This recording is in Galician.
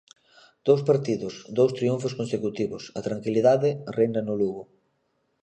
Dous partidos, dous triunfos consecutivos, a tranquilidade reina no Lugo.